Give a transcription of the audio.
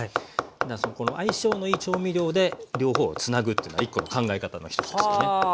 相性のいい調味料で両方をつなぐというのは一個の考え方の一つですよね。